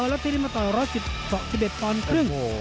แล้วทีนี้มาต่อย๑๑ปอนด์ครึ่ง